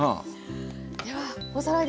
ではおさらいです。